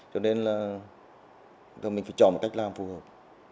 cho nên là mình phải chọn một cách làm phù hợp